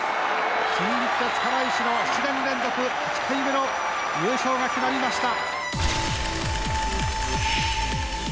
新日鉄釜石の７年連続８回目の優勝が決まりました。